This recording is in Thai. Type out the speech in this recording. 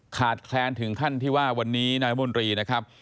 แคลนถึงขั้นที่ว่าวันนี้นายมนตรีนะครับ